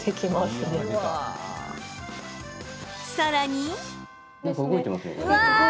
さらに。